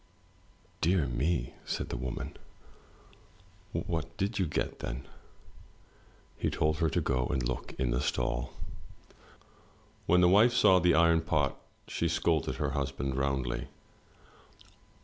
"Dear me!" said the woman. "What did you get, then?" He told her to go and look in the stall. When the wife saw the iron pot she scolded her husband roundly.